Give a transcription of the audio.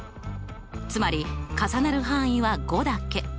つまり重なる範囲は５だけ。